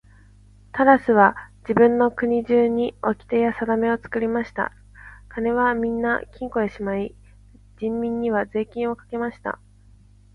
タラスは自分の国中におきてやさだめを作りました。金はみんな金庫へしまい、人民には税金をかけました。